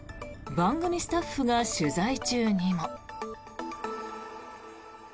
番組スタッフが取材中にも。